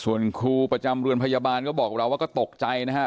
ส่วนครูประจำเรือนพยาบาลก็บอกเราว่าก็ตกใจนะฮะ